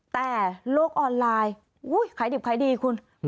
แต่โลกออนไลน์ขายดิบขายดีคุณ